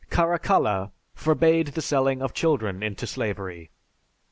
Caracalla forbade the selling of children into slavery."